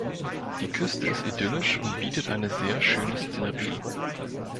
Die Küste ist idyllisch und bietet eine sehr schöne Szenerie.